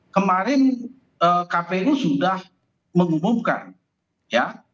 kemarin kpu sudah mengumumkan ya